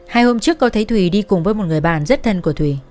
hai hôm trước có thấy thùy đi cùng với một người bạn rất thân của thủy